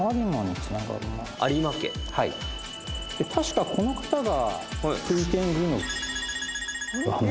確かこの方が。